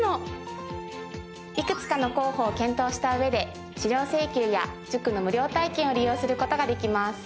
いくつかの候補を検討した上で資料請求や塾の無料体験を利用する事ができます。